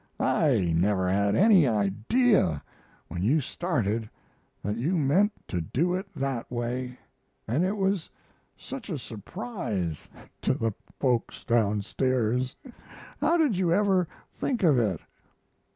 I never had any idea when you started that you meant to do it that way. And it was such a surprise to the folks down stairs. How did you ever think of it?"